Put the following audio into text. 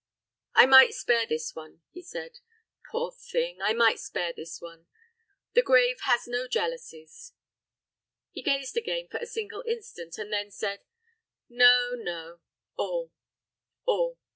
"I might spare this one," he said. "Poor thing! I might spare this one. The grave has no jealousies " He gazed again for a single instant, and then said, "No, no all all.